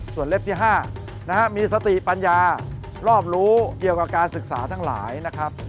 ส่วนเล็บที่๕มีสติปัญญารอบรู้เกี่ยวกับการศึกษาทั้งหลายนะครับ